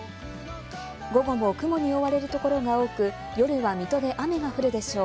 午後も雲に覆われるところが多く、夜は水戸で雨が降るでしょう。